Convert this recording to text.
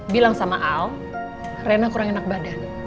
bilang sama al rena kurang enak badan